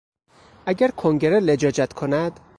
اگر کنگره لجاجت کند...